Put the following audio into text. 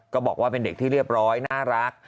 บอกว่าเป็นเด็กที่เรียบร้อยน่ารัก